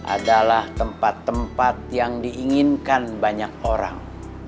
adalah tempat tempat yang diinginkan banyak orang